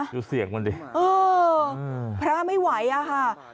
ดูเสียงมันดิเออพระไม่ไหวอะค่ะ